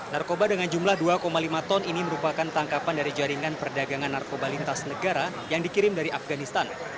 narkoba dengan jumlah dua lima ton ini merupakan tangkapan dari jaringan perdagangan narkoba lintas negara yang dikirim dari afganistan